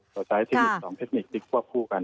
เราใช้เทคนิคสองเทคนิคนิดกว่าผู้กัน